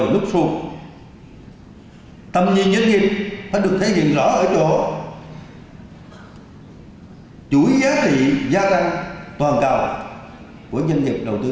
đừng để tình trạng